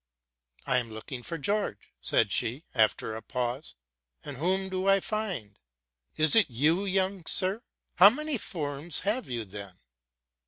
'*T am looking for George,"' said she, after a pause, '* and whom do I find? Is it you, sir' How many forms have you, then?